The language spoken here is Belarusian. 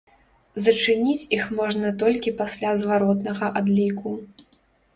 Зачыніць іх можна толькі пасля зваротнага адліку.